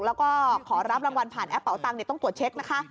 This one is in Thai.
แล้วก็ขอรับรางวัลผ่านแอปเป่าตังค์ต้องตรวจเช็คนะคะ